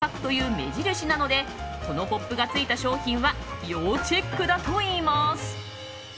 いつもより更にオテゴロ価格という目印なのでこのポップがついた商品は要チェックだといいます。